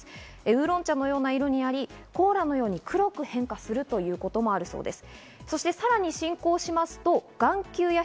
ウーロン茶のような色になり、コーラのように黒く変化するということもあるそうです。